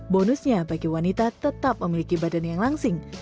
bonusnya bagi wanita tetap memiliki badan yang langsing